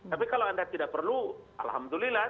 tapi kalau anda tidak perlu alhamdulillah